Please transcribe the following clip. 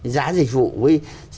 giá dịch vụ với